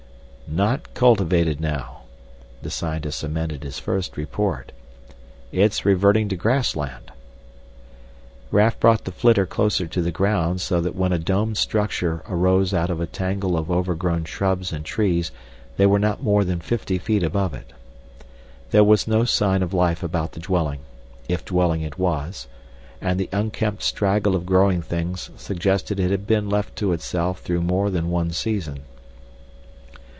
"Not cultivated now," the scientist amended his first report. "It's reverting to grassland " Raf brought the flitter closer to the ground so that when a domed structure arose out of a tangle of overgrown shrubs and trees they were not more than fifty feet above it. There was no sign of life about the dwelling, if dwelling it was, and the unkempt straggle of growing things suggested that it had been left to itself through more than one season.